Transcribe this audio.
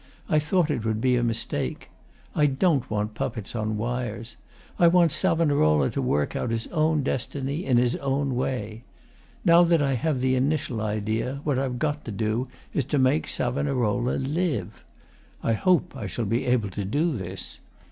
I thought it would be a mistake. I don't want puppets on wires. I want Savonarola to work out his destiny in his own way. Now that I have the initial idea, what I've got to do is to make Savonarola LIVE. I hope I shall be able to do this.